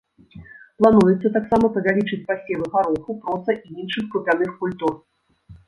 Плануецца таксама павялічыць пасевы гароху, проса і іншых крупяных культур.